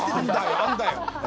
あんだよ。